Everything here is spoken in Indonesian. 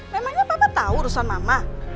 memangnya papa tahu urusan mama